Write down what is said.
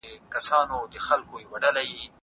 کوربه هیواد اقتصادي بندیزونه نه مني.